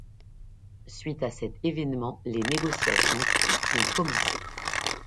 Suite à cet événement, les négociations ont commencé.